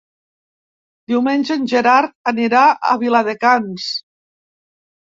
Diumenge en Gerard anirà a Viladecans.